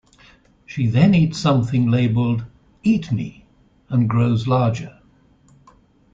She then eats something labeled "Eat me" and grows larger.